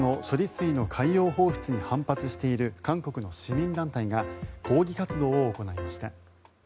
水の海洋放出に反発している韓国の市民団体が抗議活動を行いました。